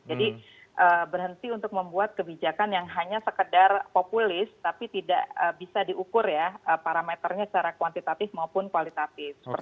jadi berhenti untuk membuat kebijakan yang hanya sekedar populis tapi tidak bisa diukur ya parameternya secara kuantitatif maupun kualitatif